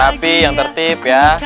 rapi yang tertib ya